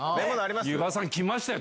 柚場さん来ましたよ